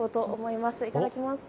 いただきます。